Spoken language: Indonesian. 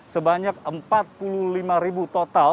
sebanyak empat puluh lima ribu total